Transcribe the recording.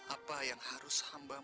apa yang harus dipercayai